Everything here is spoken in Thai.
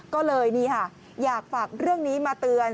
ก็เลยนี่ค่ะอยากฝากเรื่องนี้มาเตือน